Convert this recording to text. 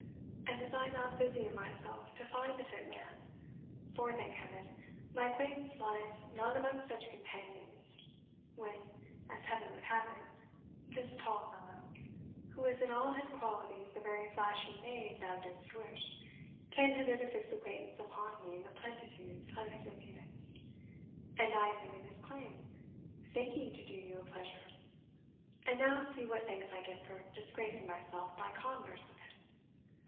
and was I not busying myself to find a fit man for, thank Heaven, my acquaintance lies not amongst such companions when, as Heaven would have it, this tall fellow, who is in all his dualities the very flashing knave thou didst wish, came hither to fix acquaintance upon me in the plenitude of his impudence; and I admitted his claim, thinking to do you a pleasure. And now see what thanks I get for disgracing myself by converse with him!"